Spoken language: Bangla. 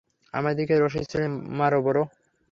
আমার দিকে রশ্মি ছুড়ে মারো, ব্রো!